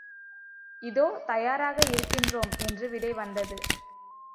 இதோ தயாராக இருக்கின்றோம் என்று விடை வந்தது.